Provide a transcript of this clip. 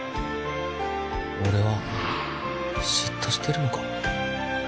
俺は嫉妬してるのか？